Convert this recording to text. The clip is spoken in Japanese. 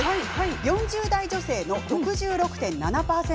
４０代女性の６６．７％。